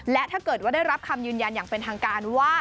และถ้าเกิดว่าได้รับคำยืนยันอย่างเป็นทางการว่า